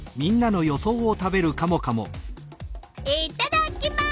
いっただっきます！